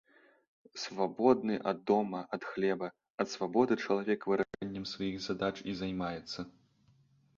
Свабодны ад дома, ад хлеба, ад свабоды чалавек вырашэннем сваіх задач і займаецца.